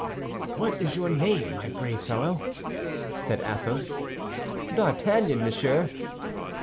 "What is your name, my brave fellow?" said Athos. "D'Artagnan, monsieur."